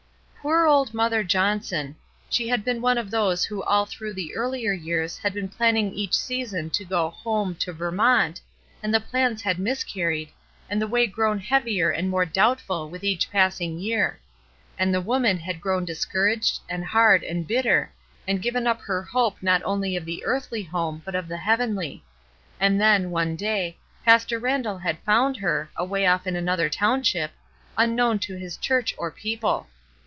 Poor old mother Johnson! She was one of those who all through the earUer years had been planning each season to go "home" to Vermont, and the plans had miscarried, and the way grown heavier and more doubtful with each passing year; and the woman had grown dis couraged and hard and bitter, and given up her hope not only of the earthly home but of the heavenly. And then, one day, Pastor Randall had found her, away off in another township, unknown to his church or people.